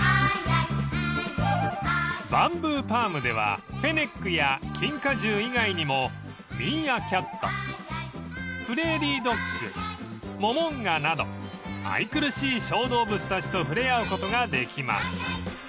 ［バンブーパームではフェネックやキンカジュー以外にもミーアキャットプレーリードッグモモンガなど愛くるしい小動物たちと触れ合うことができます］